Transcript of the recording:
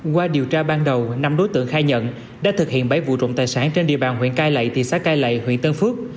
qua điều tra ban đầu năm đối tượng khai nhận đã thực hiện bảy vụ trộm tài sản trên địa bàn huyện cai lậy thị xã cai lậy huyện tân phước